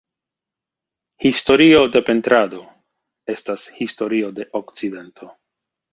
Historio de pentrado, estas historio de okcidento.